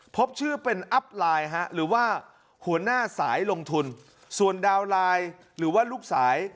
พบชื่อเป็นอัพไลน์ฮะหรือว่าหัวหน้าสายลงทุนส่วนดาวน์ไลน์หรือว่าลูกสาย